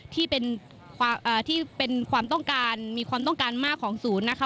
ที่เป็นความต้องการมีความต้องการมากของศูนย์นะคะ